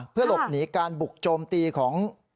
เพื่อหลบหนีการบุกโจมตีของ